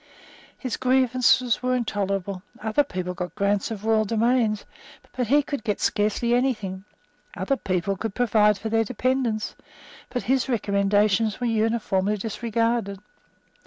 His grievances were intolerable. Other people got grants of royal domains; but he could get scarcely any thing. Other people could provide for their dependants; but his recommendations were uniformly disregarded.